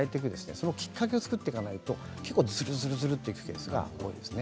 そのきっかけを作っておかないとずるずるといくケースが多いですね。